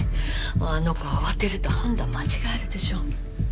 あの子慌てると判断間違えるでしょ